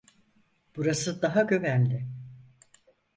Burası daha güvenli.